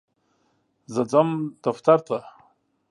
زه ځم دوتر ته.